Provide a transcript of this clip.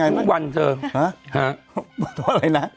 โมโ้อะไรนะ